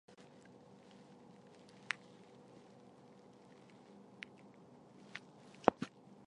施瓦尔曹谷地施瓦尔曹是奥地利施蒂利亚州费尔德巴赫县的一个市镇。